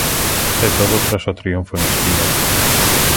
E todo tras o triunfo en Espiñedo.